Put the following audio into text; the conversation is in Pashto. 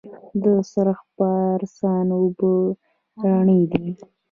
د سرخ پارسا اوبه رڼې دي